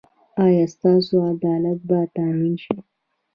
ایا ستاسو عدالت به تامین شي؟